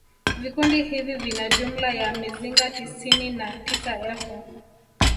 Vikundi hivi vina jumla ya mizinga tisini na tisa elfu